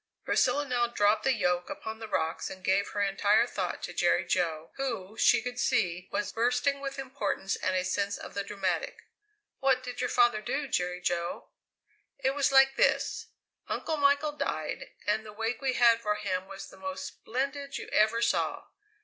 Priscilla now dropped the yoke upon the rocks and gave her entire thought to Jerry Jo, who, she could see, was bursting with importance and a sense of the dramatic. "What did your father do, Jerry Jo?" "It was like this: Uncle Michael died and the wake we had for him was the most splendid you ever saw.